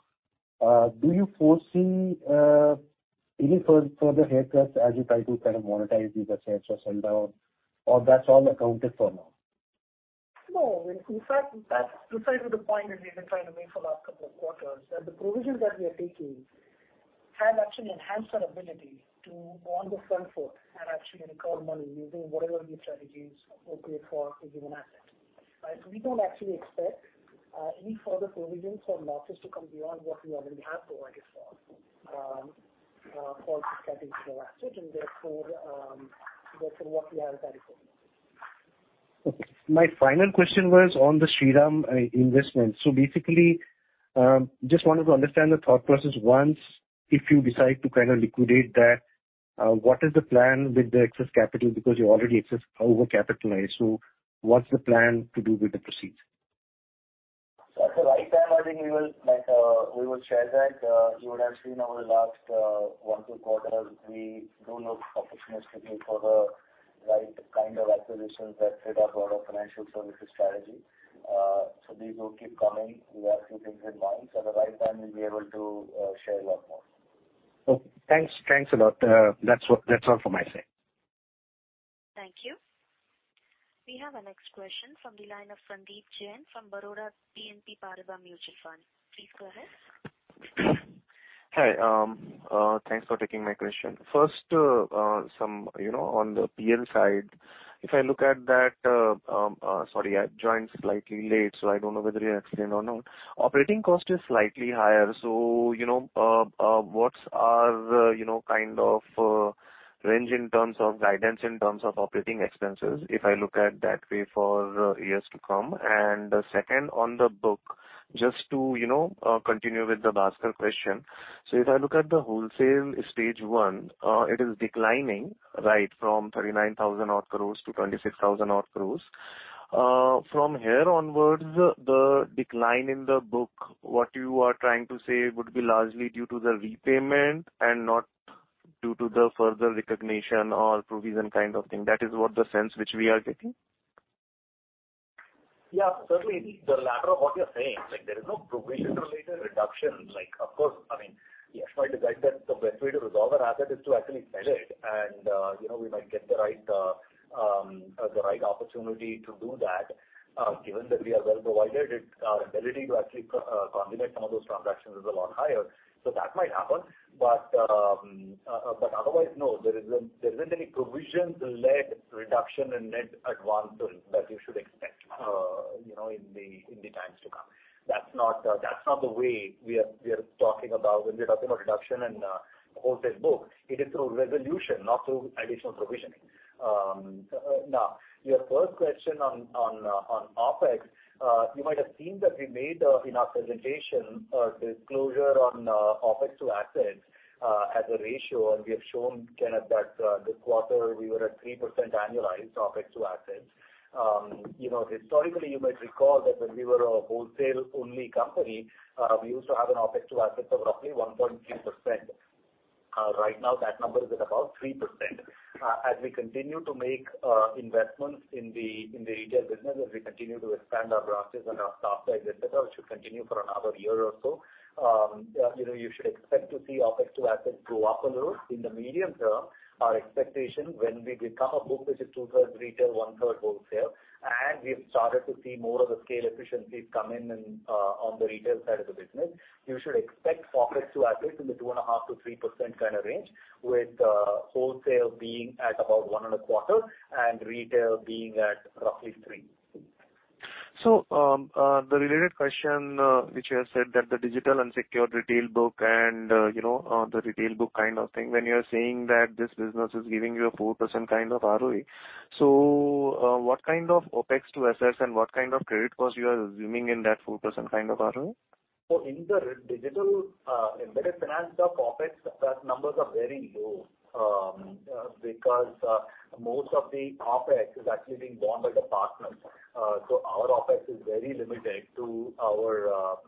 do you foresee any further haircuts as you try to monetize these assets or sell down or that's all accounted for now? No. In fact, that's precisely the point that we've been trying to make for the last couple of quarters, that the provisions that we are taking have actually enhanced our ability to go on the front foot and actually recover money using whatever new strategies appropriate for a given asset. Right? We don't actually expect any further provisions or losses to come beyond what we already have provided for for this category of asset, therefore what we have is adequate. Okay. My final question was on the Shriram investment. Basically, just wanted to understand the thought process once. If you decide to kind of liquidate that, what is the plan with the excess capital? Because you're already overcapitalized. What's the plan to do with the proceeds? At the right time, I think we will, like, we will share that. You would have seen over the last, one, two quarters, we do look opportunistically for the right kind of acquisitions that fit our broader financial services strategy. These will keep coming. We have a few things in mind. At the right time we'll be able to, share a lot more. Okay. Thanks. Thanks a lot. That's all from my side. Thank you. We have our next question from the line of Sandeep Jain from Baroda BNP Paribas Mutual Fund. Please go ahead. Hi. Thanks for taking my question. First, you know, on the PL side, if I look at that, sorry, I joined slightly late, so I don't know whether you have seen or not. Operating cost is slightly higher. You know, what are the, you know, kind of, range in terms of guidance in terms of operating expenses, if I look at that way for years to come? Second, on the book, just to, you know, continue with the Bhaskar question. If I look at the wholesale stage one, it is declining, right, from 39,000 odd crores to 25,000 odd crores. From here onwards, the decline in the book, what you are trying to say would be largely due to the repayment and not due to the further recognition or provision kind of thing. That is what the sense which we are getting. Yeah. Certainly the latter of what you're saying. Like, there is no provision related reduction. Like, of course, I mean, yes, it is right that the best way to resolve an asset is to actually sell it and, you know, we might get the right, the right opportunity to do that. Given that we are well provided, it, our ability to actually consummate some of those transactions is a lot higher. That might happen. Otherwise, no, there isn't any provision-led reduction in net advancement that you should expect, you know, in the times to come. That's not, that's not the way we are talking about when we're talking about reduction in the wholesale book. It is through resolution, not through additional provisioning. Now, your first question on OpEx, you might have seen that we made in our presentation a disclosure on OpEx to assets as a ratio. We have shown kind of that, this quarter we were at 3% annualized OpEx to assets. You know, historically, you might recall that when we were a wholesale-only company, we used to have an OpEx to assets of roughly 1.3%. Right now that number is at about 3%. As we continue to make investments in the retail business, as we continue to expand our branches and our staff et cetera, which should continue for another year or so, you know, you should expect to see OpEx to assets go up a little. In the medium term, our expectation when we become a book which is two-thirds retail, one-third wholesale, and we've started to see more of the scale efficiencies come in on the retail side of the business, you should expect OpEx to assets in the 2.5%-3% kind of range, with wholesale being at about 1.25% and retail being at roughly 3%. The related question, which you have said that the digital unsecured retail book and, you know, the retail book kind of thing, when you are saying that this business is giving you a 4% kind of ROE, what kind of OpEx to assets and what kind of credit costs you are assuming in that 4% kind of ROE? In the re-digital, embedded finance of OpEx, that numbers are very low, because most of the OpEx is actually being borne by the partners. Our OpEx is very limited to our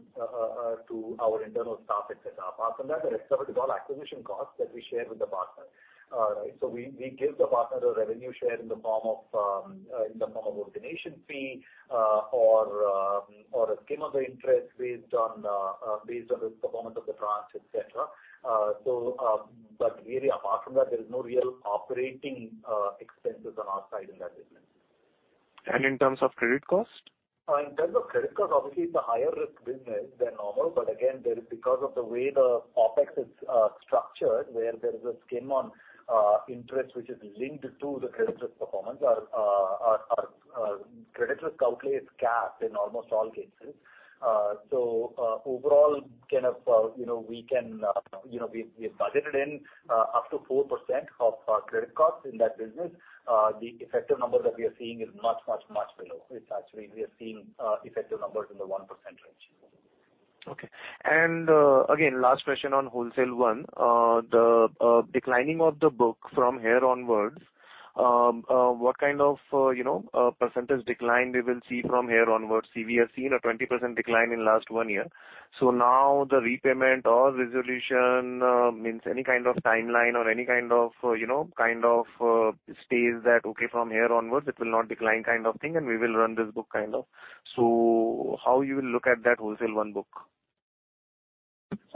internal staff et cetera. Apart from that there is several development acquisition costs that we share with the partner. We give the partner a revenue share in the form of, in the form of origination fee, or a scheme of the interest based on, based on the performance of the branch, et cetera. Really apart from that, there is no real operating expenses on our side in that business. In terms of credit cost? In terms of credit cost, obviously it's a higher risk business than normal. Again, there is because of the way the OpEx is structured, where there is a scheme on interest which is linked to the credit risk performance, our credit risk outlay is capped in almost all cases. Overall kind of, you know, we can, you know, we have budgeted in up to 4% of our credit costs in that business. The effective number that we are seeing is much below. It's actually we are seeing effective numbers in the 1% range. Okay. Again, last question on Wholesale 1.0. The declining of the book from here onwards, what kind of, you know, percentage decline we will see from here onwards? See, we have seen a 20% decline in last 1 year. Now the repayment or resolution, means any kind of timeline or any kind of, you know, kind of, stays that okay from here onwards it will not decline kind of thing and we will run this book kind of. How you will look at that Wholesale 1.0 book?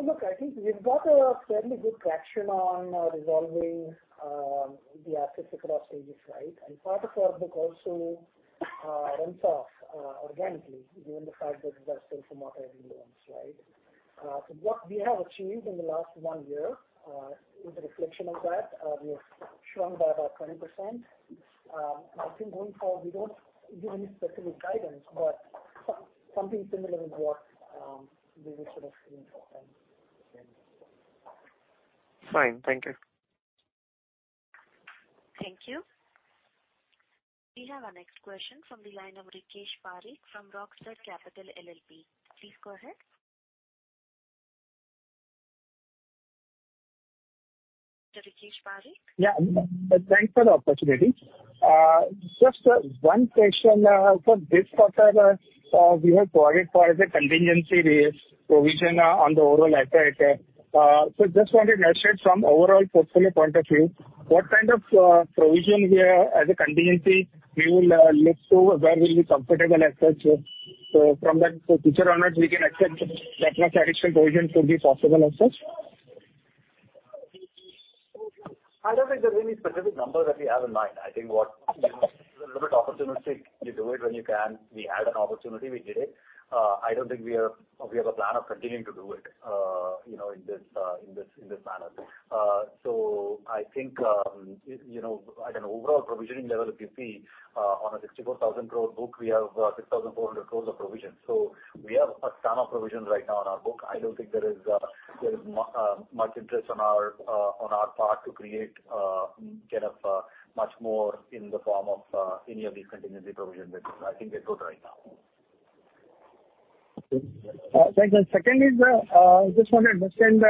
Look, I think we've got a fairly good traction on resolving the assets across stages. Part of our book also runs off organically given the fact that we are still some more early loans. What we have achieved in the last 1 year is a reflection of that. We have shrunk by about 20%. I think going forward, we don't give any specific guidance, but something similar is what we will sort of aim for then. Fine. Thank you. Thank you. We have our next question from the line of Rakesh Parekh from Rockstone Capital LLP. Please go ahead. Rakesh Parekh? Yeah. Thanks for the opportunity. Just one question. For this quarter, we have provided for the contingency risk provision on the overall appetite. Just wanted to understand from overall portfolio point of view, what kind of provision we are as a contingency we will look to where we'll be comfortable as such? From that, so future onwards, we can accept that much additional provision could be possible as such? I don't think there's any specific number that we have in mind. I think what, you know, it's a little bit opportunistic. You do it when you can. We had an opportunity, we did it. I don't think we have a plan of continuing to do it, you know, in this manner. So I think, you know, at an overall provisioning level, if you see, on an 64,000 crore book, we have 6,400 crores of provision. So we have a ton of provision right now on our book. I don't think there is much interest on our part to create kind of much more in the form of any of these contingency provision business. I think we're good right now. Thanks. Second is, just wanted to understand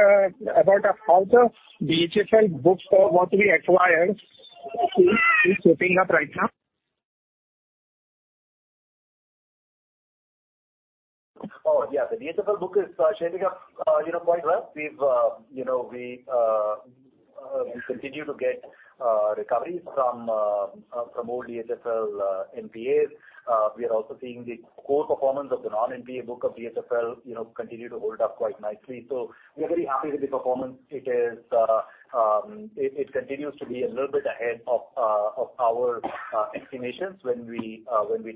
about how the DHFL books for what we acquired is shaping up right now? Yeah. The DHFL book is shaping up, you know, quite well. We've, you know, we continue to get recoveries from old DHFL NPAs. We are also seeing the core performance of the non-NPA book of DHFL, you know, continue to hold up quite nicely. We are very happy with the performance. It is, it continues to be a little bit ahead of our estimations when we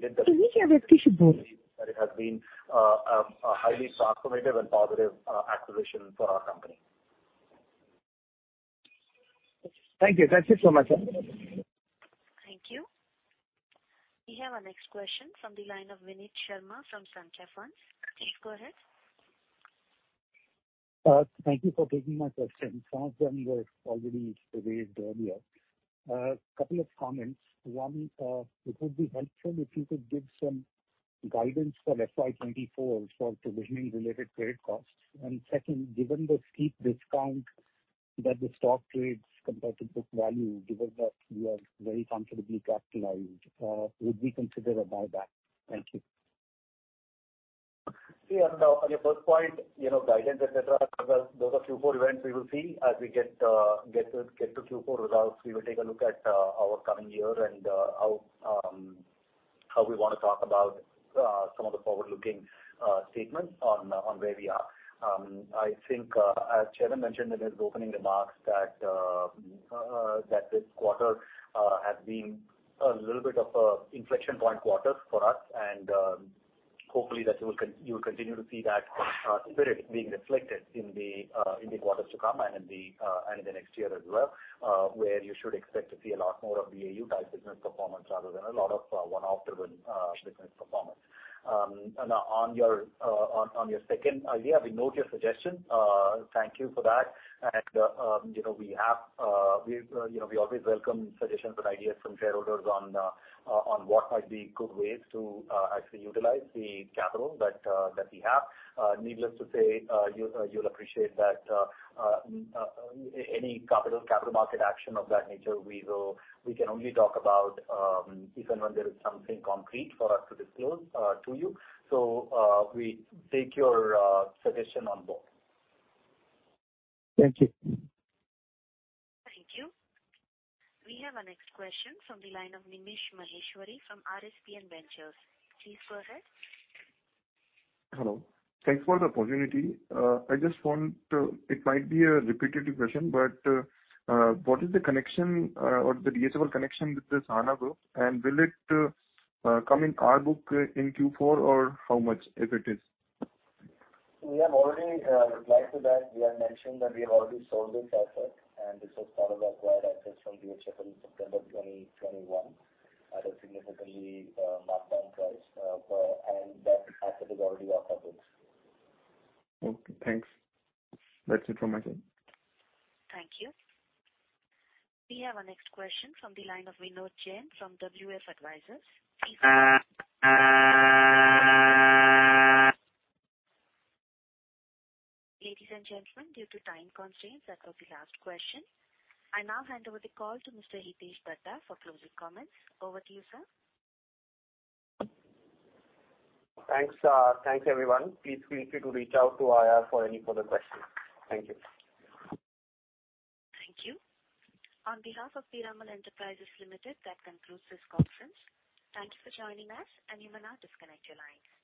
did. Excuse me, yeah, Rakesh Parekh. That it has been a highly transformative and positive acquisition for our company. Thank you. That's it from my side. Thank you. We have our next question from the line of Vineet Sharma from Sansera Funds. Please go ahead. Thank you for taking my question. Some of them were already raised earlier. Couple of comments. One, it would be helpful if you could give some guidance for FY24 for provisioning related credit costs. Second, given the steep discount that the stock trades compared to book value, given that you are very comfortably capitalized, would we consider a buyback? Thank you. On your first point, you know, guidance, et cetera, those are Q4 events we will see. As we get to Q4 results, we will take a look at our coming year and how we want to talk about some of the forward-looking statements on where we are. I think, as Chetan mentioned in his opening remarks that this quarter has been a little bit of an inflection point quarter for us, and hopefully that you will continue to see that spirit being reflected in the quarters to come and in the next year as well, where you should expect to see a lot more of the AU type business performance rather than a lot of one-off driven business performance. On your, on your second idea, we note your suggestion. Thank you for that. you know, we have, we, you know, we always welcome suggestions and ideas from shareholders on what might be good ways to actually utilize the capital that we have. Needless to say, you'll appreciate that any capital market action of that nature, we will. We can only talk about if and when there is something concrete for us to disclose to you. So, we take your suggestion on board. Thank you. Thank you. We have our next question from the line of Nimish Maheshwari from RSPN Ventures. Please go ahead. Hello. Thanks for the opportunity. I just want, it might be a repetitive question, but, what is the connection, or the DHFL connection with the Sahana Group? Will it, come in our book in Q4, or how much, if it is? We have already replied to that. We have mentioned that we have already sold this asset, and this was part of acquired assets from DHFL in September 2021 at a significantly markdown price. That asset is already off our books. Okay, thanks. That's it from my side. Thank you. We have our next question from the line of Vinod Jain from WS Advisors. Ladies and gentlemen, due to time constraints, that was the last question. I now hand over the call to Mr. Hitesh Dhaddha for closing comments. Over to you, sir. Thanks. Thanks everyone. Please feel free to reach out to I.R. for any further questions. Thank you. Thank you. On behalf of Piramal Enterprises Limited, that concludes this conference. Thank you for joining us, and you may now disconnect your lines.